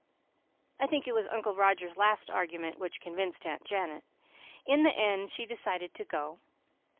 I think it was Uncle Roger's last argument which convinced Aunt Janet. In the end she decided to go.